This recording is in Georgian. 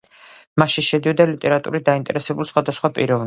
მასში შედიოდა ლიტერატურით დაინტერესებული სხვადასხვა პიროვნება.